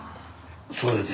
それで。